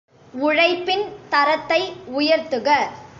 உழைப்பின் தரத்தை உயர்த்துக.